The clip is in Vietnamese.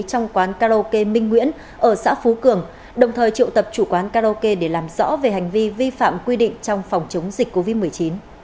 trong quán karaoke minh nguyễn ở xã phú cường đồng thời triệu tập chủ quán karaoke để làm rõ về hành vi vi phạm quy định trong phòng chống dịch covid một mươi chín